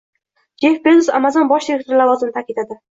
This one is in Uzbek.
Jyeff Bezos Amazon bosh direktori lavozimini tark etadi